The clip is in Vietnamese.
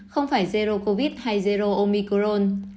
không phải zero covid hay zero omicron